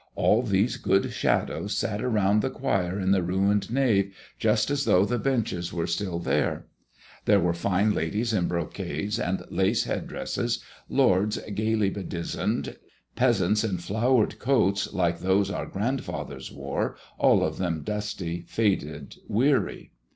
All these good shadows sat around the choir in the ruined nave just as though the benches were still there. There were fine ladies in brocades and lace head dresses, lords gayly bedizened, peasants in flowered coats like those our grandfathers wore, all of them dusty, faded, weary.